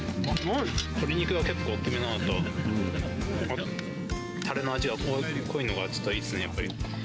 鶏肉が結構大きめなのと、たれの味が濃いのがちょっといいですね、やっぱり。